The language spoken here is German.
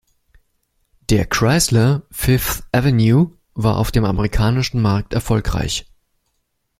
Der Chrysler Fifth Avenue war auf dem amerikanischen Markt erfolgreich.